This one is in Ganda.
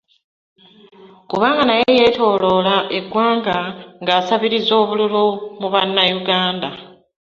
Kubanga naye yeetooloola eggwanga ng'asabiriza obululu mu bannayuganda.